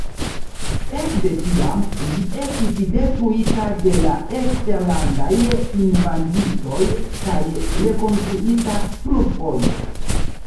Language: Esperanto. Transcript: Ekde tiam ĝi estis detruita de la eksterlandaj invadintoj kaj rekonstruita plurfoje.